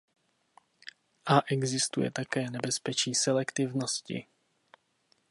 A existuje také nebezpečí selektivnosti.